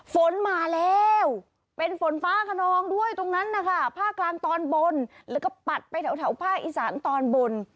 ฝนมาแล้วเป็นฝนฟ้าขนองด้วยตรงนั้นนะคะภาคกลางตอนบนแล้วก็ปัดไปแถวภาคอีสานตอนบน